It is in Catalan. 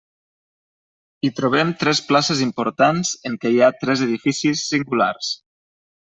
Hi trobem tres places importants en què hi ha tres edificis singulars.